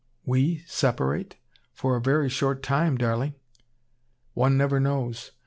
"We separate? For a very short time, darling." "One never knows.